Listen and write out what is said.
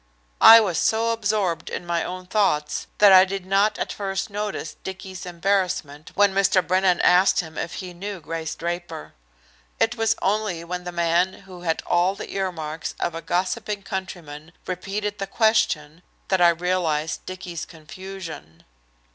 I was so absorbed in my own thoughts that I did not at first notice Dicky's embarrassment when Mr. Brennan asked him if he knew Grace Draper. It was only when the man, who had all the earmarks of a gossiping countryman, repeated the question, that I realized Dicky's confusion.